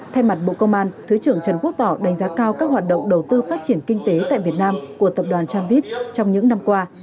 thay mặt bộ công an thứ trưởng trần quốc tỏ đánh giá cao các hoạt động đầu tư phát triển kinh tế tại việt nam của tập đoàn tramvit trong những năm qua